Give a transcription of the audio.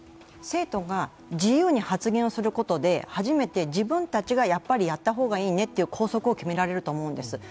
生徒が自由に発言をすることで初めて自分たちがやっぱりやった方がいいねという校則を決められると思うんですよ。